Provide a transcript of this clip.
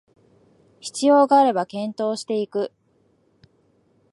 必要があれば検討していく